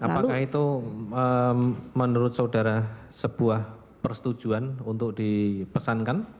apakah itu menurut saudara sebuah persetujuan untuk di pesankan